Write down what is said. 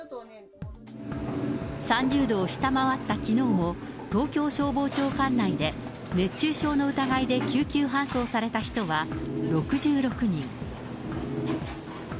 ３０度を下回ったきのうも、東京消防庁管内で、熱中症の疑いで救急搬送された人は、６６人。